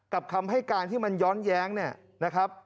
คำให้การที่มันย้อนแย้งเนี่ยนะครับ